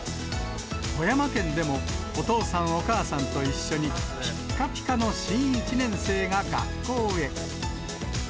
富山県でも、お父さん、お母さんと一緒に、ぴっかぴかの新１年生が学校へ。